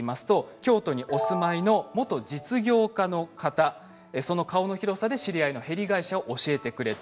京都にお住まいの元実業家の方その顔の広さで知り合いのヘリ会社を教えてくれました。